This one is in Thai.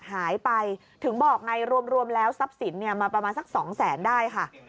หายไปถึงบอกไงรวมแล้วทรัพย์สินมาประมาณสัก๒แสนได้ค่ะ